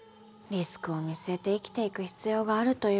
リスクを見据えて生きていく必要があるというか。